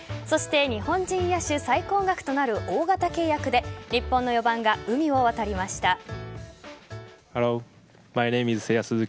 そして日本人野手最高額となる大型契約で日本の４番が海を渡りました。